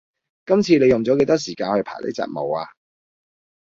今次你用咗幾多時間去排呢隻舞￼